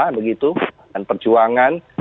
begitu dan perjuangan